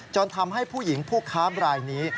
จนทำให้ผู้หญิงผู้ค้าบรายนี้